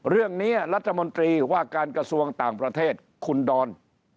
เรื่องนี้รัฐมนตรีว่าการกระทรวงต่างประเทศคุณดอน